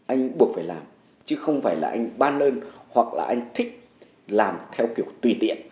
anh buộc phải làm chứ không phải là anh ban đơn hoặc là anh thích làm theo kiểu tùy tiện